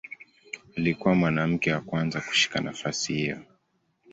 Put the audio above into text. Alikuwa mwanamke wa kwanza kushika nafasi hiyo.